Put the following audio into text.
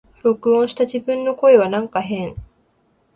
録音した自分の声はなんか変